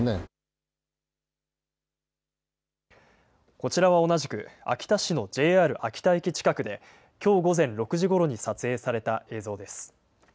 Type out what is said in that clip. こちらは同じく秋田市のＪＲ秋田駅近くできょう午前６時ごろに撮影された映像です。